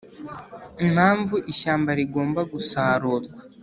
impamvu ishyamba rigomba gusarurwa